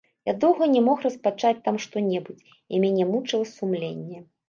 Я доўга не мог распачаць там што-небудзь, і мяне мучыла сумленне.